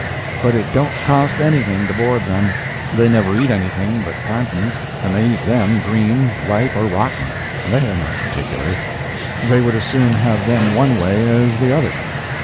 But it don't cost anything to board them; they never eat anything but plantains, and they eat them green, ripe or rotten—they are not particular—they would as soon have them one way as the other.